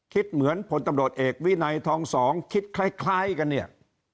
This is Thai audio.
คิดเหมือนผลตำรวจเอกวินัยทองสองคิดคล้ายกันเนี่ย